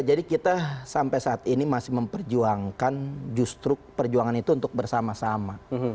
jadi kita sampai saat ini masih memperjuangkan justru perjuangan itu untuk bersama sama